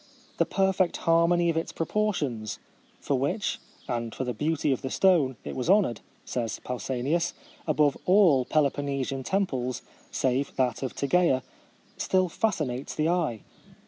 The perfect harmony of its proportions — for which, and for the beauty of the stone, it was honoured, says Pausanias, above all Peloponnesian temples save that of Tegea — still fascinates the eye.